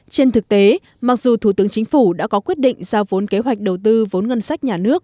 trên thực tế mặc dù thủ tướng chính phủ đã có quyết định giao vốn kế hoạch đầu tư vốn ngân sách nhà nước